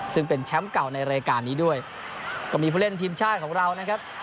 ซึ่งเป็นแชมป์เก่าในรายการนี้ด้วยก็มีผู้เล่นทีมชาติของเรานะครับ